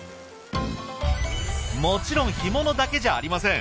もちろん干物だけじゃありません。